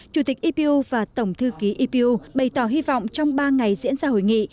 chủ tịch epu và tổng thư ký epu bày tỏ hy vọng trong ba ngày diễn ra hội nghị